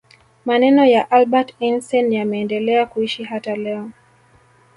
maneno ya albert einstein yameendelea kuishi hata leo